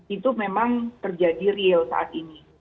itu memang terjadi real saat ini